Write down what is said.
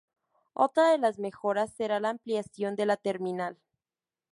Otra de las mejoras será la ampliación de la terminal.